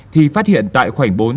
thì phát hiện tại khoảnh bốn